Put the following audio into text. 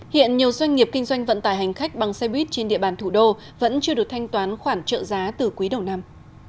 hiện nhiều doanh nghiệp kinh doanh vận tải hành khách bằng xe buýt trên địa bàn thủ đô vẫn chưa được thanh toán khoản trợ giá từ quý đầu năm